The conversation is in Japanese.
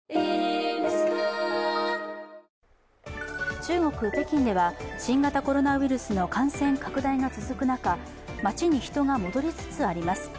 中国・北京では新型コロナウイルスの感染拡大が続く中、街に人が戻りつつあります。